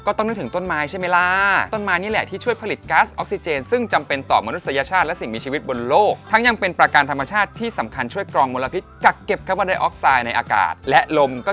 ก็ต้องนึกถึงต้นไม้ใช่ไหมล่ะ